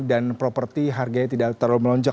dan properti harganya tidak terlalu melonjak